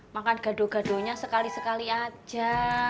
makan gado gado nya sekali sekali aja